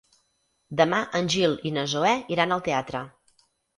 Demà en Gil i na Zoè iran al teatre.